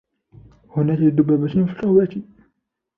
هناك ذبابة في القهوة.